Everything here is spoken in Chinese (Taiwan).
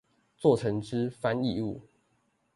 作成之翻譯物